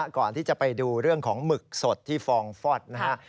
ก่อนที่จะไปดูเรื่องของหมึกสดที่ฟองฟอดนะฮะ